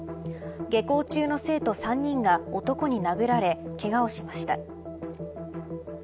下校中の生徒３人が男に殴られけがをしました。